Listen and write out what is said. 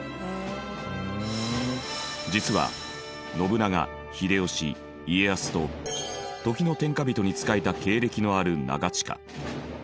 実は信長秀吉家康と時の天下人に仕えた経歴のある長近。